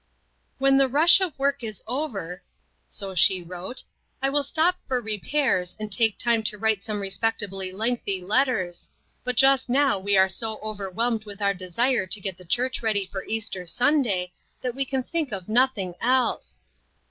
" When the rush of work is over," so she wrote, "I will stop for repairs, and take COMFORTED. 3<DI time to write some respectably lengthy let ters, but just now we are so overwhelmed with our desire to get the church ready for Easter Sunday that we can think of noth ing else.